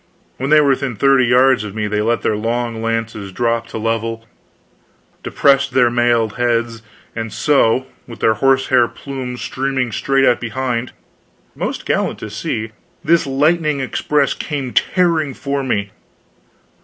When they were within thirty yards of me they let their long lances droop to a level, depressed their mailed heads, and so, with their horse hair plumes streaming straight out behind, most gallant to see, this lightning express came tearing for me!